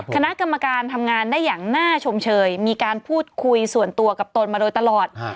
คณะกรรมการทำงานได้อย่างน่าชมเชยมีการพูดคุยส่วนตัวกับตนมาโดยตลอด